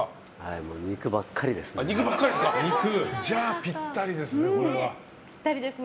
もう肉ばっかりですね。